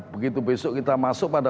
begitu besok kita masuk pada